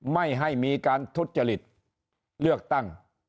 ไม่ให้มีการทุจริตเลือกตั้ง